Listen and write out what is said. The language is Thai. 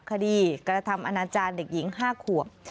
กระทำอนาจารย์เด็กหญิง๕ขวบ